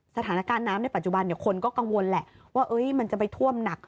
สถานการณ์น้ำในปัจจุบันคนก็กังวลแหละว่ามันจะไปท่วมหนัก